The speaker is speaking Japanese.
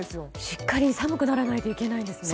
しっかり寒くならないといけないんですね。